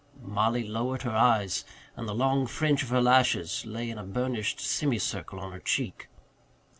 Mollie lowered her eyes and the long fringe of her lashes lay in a burnished semi circle on her cheek.